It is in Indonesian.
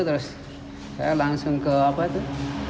terus saya langsung ke apa itu